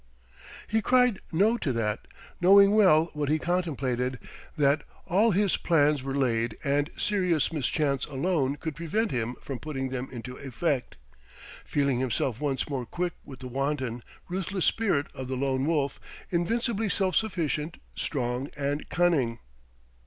He cried no to that: knowing well what he contemplated, that all his plans were laid and serious mischance alone could prevent him from putting them into effect, feeling himself once more quick with the wanton, ruthless spirit of the Lone Wolf, invincibly self sufficient, strong and cunning.